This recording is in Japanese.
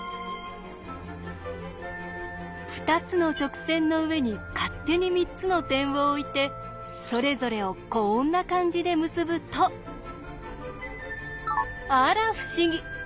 ２つの直線の上に勝手に３つの点を置いてそれぞれをこんな感じで結ぶとあら不思議！